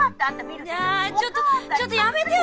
あちょっとちょっとやめてよ！